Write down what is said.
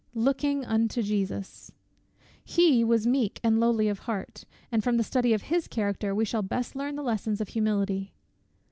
LOOKING UNTO JESUS! He was meek and lowly of heart, and from the study of his character we shall best learn the lessons of humility.